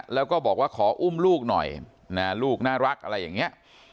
แล้วก็บอกว่าขออุ้มลูกหน่อยลูกน่ารักอะไรอย่างนี้